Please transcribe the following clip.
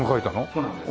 そうなんです。